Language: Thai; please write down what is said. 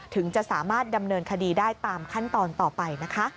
ถึงจะสามารถดำเนินคดีได้ตามขั้นตอนต่อไปนะคะ